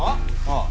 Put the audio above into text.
ああ。